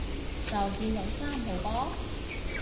就見到三號波